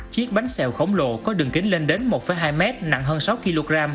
chiếc bánh xèo khổng lồ có đường kính lên đến một hai m nặng hơn sáu kg